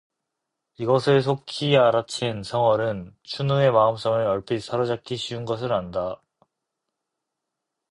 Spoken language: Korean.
이 것을 속히 알아챈 성월은 춘우의 마음성을 얼핏 사로잡기 쉬운 것을 안다.